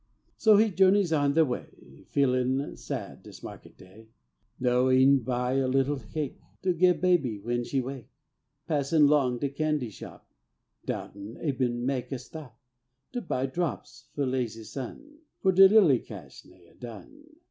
So he journeys on de way, Feelinl sad dis market day; No e'en buy a little cake To gi'e baby when she wake, Passin' 'long de candy shop 'Douten eben mek a stop To buy drops fe las'y son, For de lilly cash nea' done.